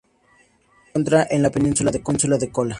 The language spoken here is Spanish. Se encuentra en la Península de Kola.